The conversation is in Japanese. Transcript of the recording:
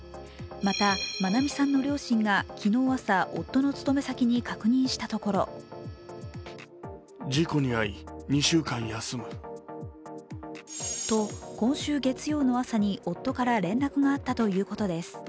また愛美さんの両親が昨日朝、夫の勤め先に確認したところと、今週月曜の朝に夫から連絡があったということです。